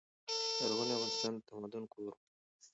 لرغونی افغانستان د تمدن کور و.